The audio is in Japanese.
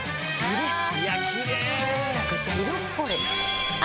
めちゃくちゃ色っぽい。